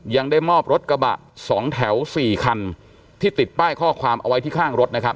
ยังได้มอบรถกระบะสองแถวสี่คันที่ติดป้ายข้อความเอาไว้ที่ข้างรถนะครับ